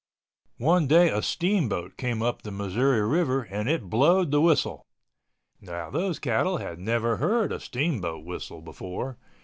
One day a steamboat came up the Missouri River and it blowed the whistle. Now those cattle had never heard a steamboat whistle before.